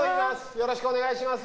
よろしくお願いします。